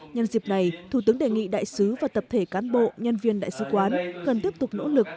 nhân dịp này thủ tướng đề nghị đại sứ và tập thể cán bộ nhân viên đại sứ quán cần tiếp tục nỗ lực